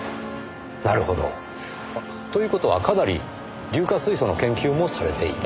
なるほど。という事はかなり硫化水素の研究もされていた。